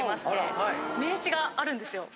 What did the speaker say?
名刺があるんですよ。